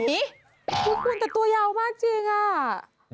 ทุกคนแต่ตัวยาวมากจริงอ่ะ